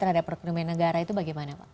terhadap perekonomian negara itu bagaimana pak